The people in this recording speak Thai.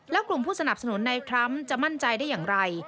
และกลุ่มผู้สนับสนุนในทรัมป์จะมั่นใจได้อย่างไร